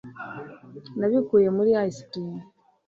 nabikuye muri ice cream